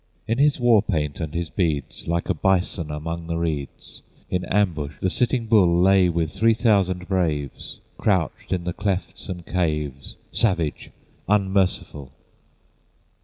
In his war paint and his beads, Like a bison among the reeds, In ambush the Sitting Bull Lay with three thousand braves Crouched in the clefts and caves, Savage, unmerciful!